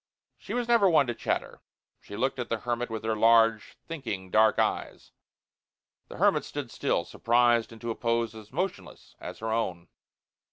She was never one to chatter. She looked at the hermit with her large, thinking, dark eyes. The hermit stood still, surprised into a pose as motionless as her own.